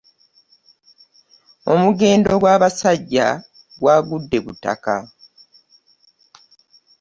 Omugendo gw'abasajja gwagudde butaka.